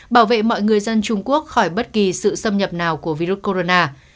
bảo vệ mọi người dân trung quốc khỏi bất kỳ sự xâm nhập nào của virus corona